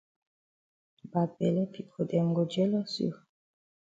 Bad bele pipo dem go jealous you.